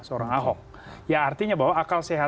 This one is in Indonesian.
seorang ahok ya artinya bahwa akal sehat